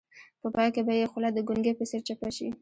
په پای کې به یې خوله د ګونګي په څېر چپه شي.